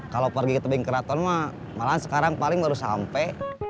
kalau pergi ke tebing keraton mah malah sekarang paling baru sampe